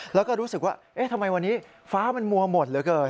แล้วก็รู้สึกว่าเอ๊ะทำไมวันนี้ฟ้ามันมัวหมดเหลือเกิน